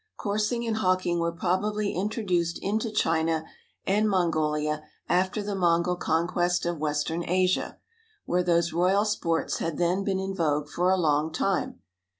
Coursing and hawking were probably introduced into China and Mongolia after the Mongol conquest of Western Asia, where those royal sports had then been in vogue for a long time.